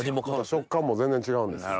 食感も全然違うんですか。